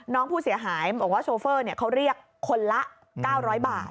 น้องผู้เสียหายบอกว่าโชเฟอร์เขาเรียกคนละ๙๐๐บาท